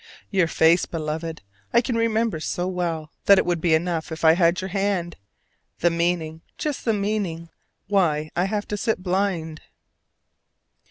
Your face, Beloved, I can remember so well that it would be enough if I had your hand: the meaning, just the meaning, why I have to sit blind.